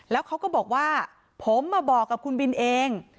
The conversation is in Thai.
แล้วเขาก็บอกว่าผมมาบอกกับคุณบินเอง